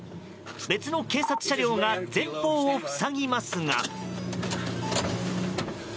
別の警察車両が前方を塞ぎますが。